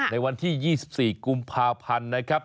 ในวันที่๒๔กุมภาพันธ์นะครับ